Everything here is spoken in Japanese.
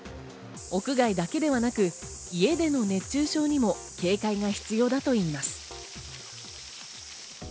屋外だけではなく家での熱中症にも警戒が必要だといいます。